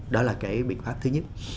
đó là cái biện pháp thứ nhất